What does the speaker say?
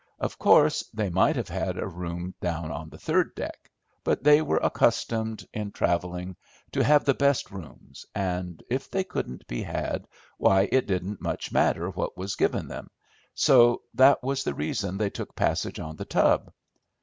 Of coarse they might have had a room down on the third deck; but they were accustomed in travelling to have the best rooms, and if they couldn't be had, why it didn't much matter what was given them, so that was the reason they took passage on The Tub.